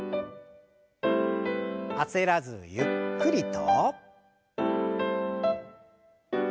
焦らずゆっくりと。